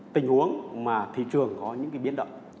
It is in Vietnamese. tình huống mà thị trường có những biến động